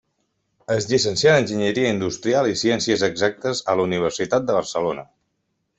Es llicencià en enginyeria industrial i en ciències exactes a la Universitat de Barcelona.